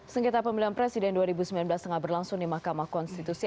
sengketa pemilihan presiden dua ribu sembilan belas tengah berlangsung di mahkamah konstitusi